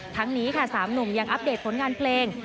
ทั้งนี้ค่ะ๓หนุ่มยังอัปเดตผลงานเพลง